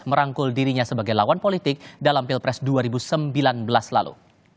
merangkul dirinya sebagai lawan politik dalam pilpres dua ribu sembilan belas lalu